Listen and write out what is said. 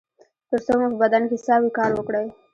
تر څو مو په بدن کې ساه وي کار وکړئ